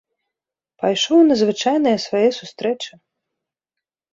Пайшоў на звычайныя свае сустрэчы.